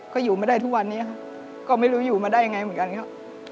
ก็อยู่ไม่ได้ทุกวันนี้ครับก็ไม่รู้อยู่มาได้ยังไงเหมือนกันครับ